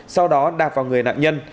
sau đó đạp vào người nạn nhân